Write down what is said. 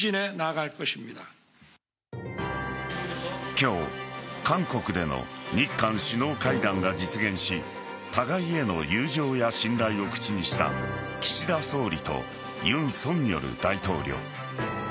今日、韓国での日韓首脳会談が実現し互いへの友情や信頼を口にした岸田総理と尹錫悦大統領。